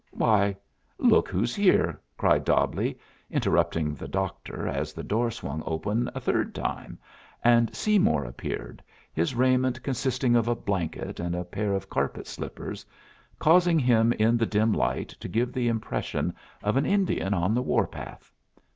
"Why, look who's here!" cried Dobbleigh, interrupting the doctor, as the door swung open a third time, and Seymour appeared, his raiment consisting of a blanket and a pair of carpet slippers, causing him in the dim light to give the impression of an Indian on the warpath.